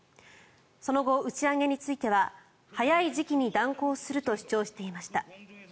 その後、打ち上げについては早い時期に断行すると主張していました。